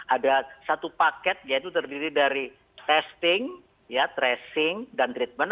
ada satu paket yaitu terdiri dari testing tracing dan treatment